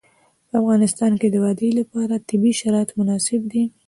په افغانستان کې د وادي لپاره طبیعي شرایط مناسب دي.